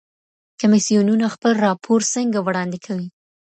کمیسیونونه خپل راپور څنګه وړاندي کوي؟